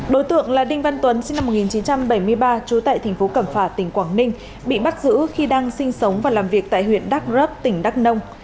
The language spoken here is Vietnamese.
đối tượng là đinh văn tuấn sinh năm một nghìn chín trăm bảy mươi ba trú tại thành phố cẩm phả tỉnh quảng ninh bị bắt giữ khi đang sinh sống và làm việc tại huyện đắk rấp tỉnh đắk nông